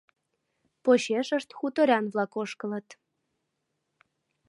Почешышт хуторян-влак ошкылыт.